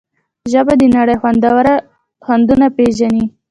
ژبه د نړۍ خوندونه پېژني.